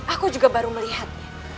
aku juga baru melihatnya